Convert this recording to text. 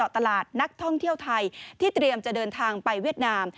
ตลาดนักท่องเที่ยวไทยที่เตรียมจะเดินทางไปเวียดนาม